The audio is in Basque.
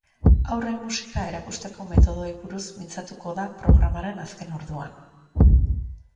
Haurrei musika erakusteko metodoei buruz mintzatuko dira programaren azken orduan.